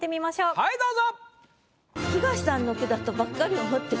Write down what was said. はいどうぞ！